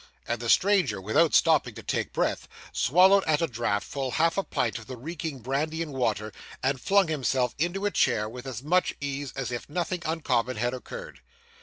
And the stranger, without stopping to take breath, swallowed at a draught full half a pint of the reeking brandy and water, and flung himself into a chair with as much ease as if nothing uncommon had occurred.